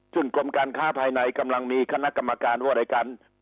ส่วนกรมการค้าภายในกำลังมีคณะกรรมการหัวใดกัน